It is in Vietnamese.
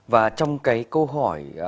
và trong cái câu hỏi